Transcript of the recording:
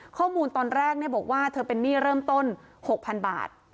ข้อมูลตอนแรกบอกว่าเธอเป็นหนี้เริ่มต้น๖๐๐๐บาท